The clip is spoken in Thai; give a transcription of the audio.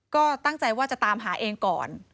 ก็ตั้งใจว่าจะตามหาเองก่อน